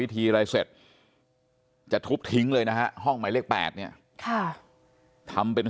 ทีอะไรเสร็จจะทุบทิ้งเลยนะฮะห้องหมายเลข๘เนี่ยทำเป็น